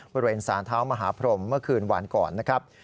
บริเวณสารเท้ามหาพรมเมื่อคืนวันก่อนนะครับ